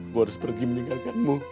gue harus pergi meninggalkanmu